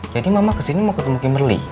jadi mama kesini mau ketemu kimberly